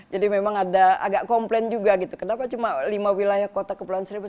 jadi memang ada agak komplain juga gitu kenapa cuma lima wilayah kota kepulauan seribu